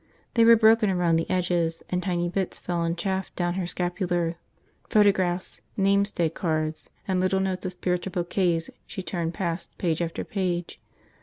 They were broken around the edges and tiny bits fell in chaff down her scapular. Photographs, name's day cards, and little notes of spiritual bouquets she turned past, page after page.